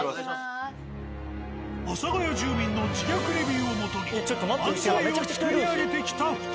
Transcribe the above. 阿佐ヶ谷住民の自虐レビューを基に漫才を作り上げてきた２人。